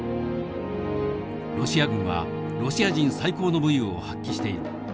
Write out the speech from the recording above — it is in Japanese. ロシア軍はロシア人最高の武威を発揮している。